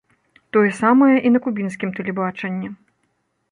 Тое самае і на кубінскім тэлебачанні.